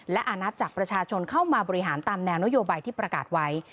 และอานัดจากประชาชนเข้ามาบริหารตามแนวนโยบายที่ประกาศไว้